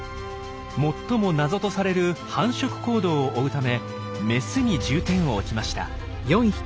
最も謎とされる繁殖行動を追うためメスに重点を置きました。